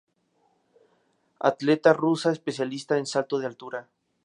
Atleta rusa especialista en salto de altura.